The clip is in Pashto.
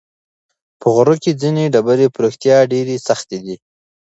په غره کې ځینې ډبرې په رښتیا ډېرې سختې دي.